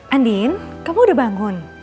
andin kamu udah bangun